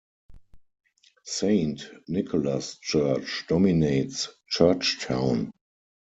Saint Nicholas Church dominates Church Town.